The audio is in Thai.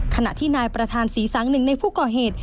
ขณะที่นายประธานศรีสังหนึ่งในผู้ก่อเหตุ